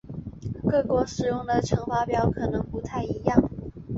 各国使用的乘法表有可能不太一样。